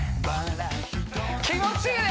気持ちいいね！